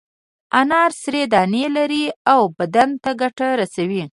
انار سرې دانې لري او بدن ته ګټه رسوي.